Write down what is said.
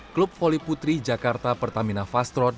klub volley putri jakarta pertamina fast road